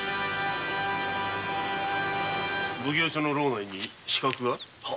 奉行所の牢内に刺客が？